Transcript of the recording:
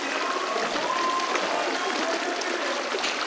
社長を変えちゃってるよ。